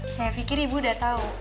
saya pikir ibu udah tahu